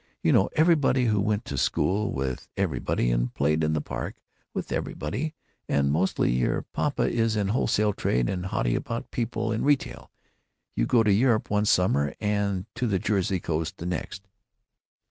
You know everybody and went to school with everybody and played in the Park with everybody, and mostly your papa is in wholesale trade and haughty about people in retail. You go to Europe one summer and to the Jersey coast the next.